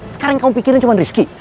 sekarang yang kamu pikirin cuma rizky